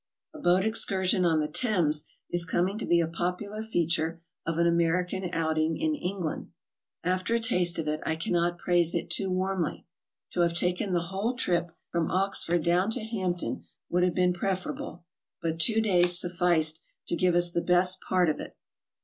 A boat excursion on the Thames is coming to be a popular feature of an American outing in England. After a taste of it, I cannot praise it too warmly. To have taken the whole trip from Oxford down to Hampton would have been preferable, but two days sufficed to give us the best part of it.